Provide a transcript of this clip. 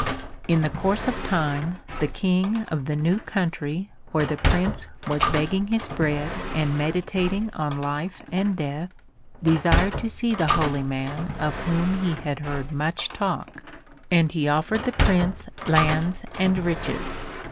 In course of time the King of the new country where the Prince was begging his bread and meditating on Life and Death desired to see the holy man of whom he had heard much talk, and he offered the Prince lands and riches.